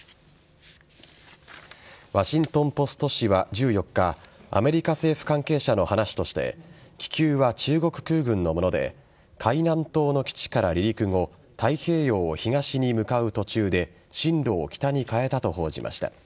ワシントン・ポスト紙は１４日アメリカ政府関係者の話として気球は中国空軍のもので海南島の基地から離陸後太平洋を東に向かう途中で進路を北に変えたと報じました。